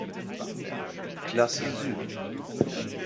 Klasse Süd.